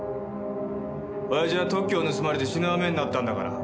親父は特許を盗まれて死ぬ羽目になったんだから。